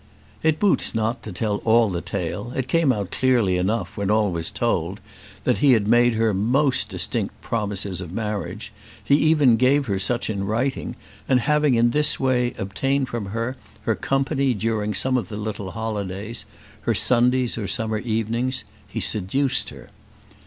It boots not to tell all the tale. It came out clearly enough when all was told, that he made her most distinct promises of marriage; he even gave her such in writing; and having in this way obtained from her her company during some of her little holidays her Sundays or summer evenings he seduced her.